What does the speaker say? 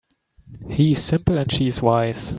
He's simple and she's wise.